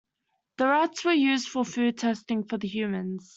The rats were used for food testing for the Humans.